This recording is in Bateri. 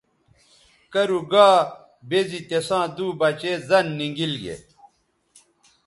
کرُو گا بے زی تِساں دُو بچے زَن نی گیل گے۔